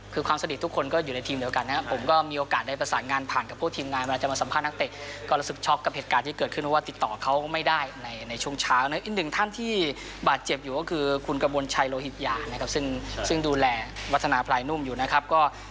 คือความสนิททุกคนก็อยู่ในทีมเหล่ากันนะครับ